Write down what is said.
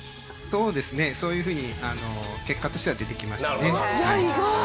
そういうふうに結果としては出てきました。